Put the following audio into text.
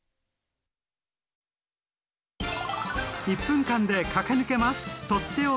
１分間で駆け抜けます！